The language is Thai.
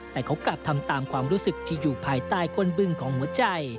แต่เขากลับทำตามความรู้สึกที่อยู่ภายใต้คนบึงของหัวใจ